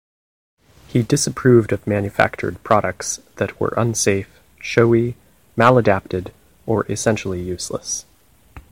He disapproved of manufactured products that were unsafe, showy, maladapted, or essentially useless.